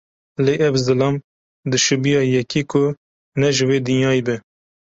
Lê ev zilam, dişibiya yekî ku ne ji vê dinyayê be.